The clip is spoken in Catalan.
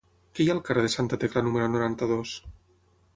Què hi ha al carrer de Santa Tecla número noranta-dos?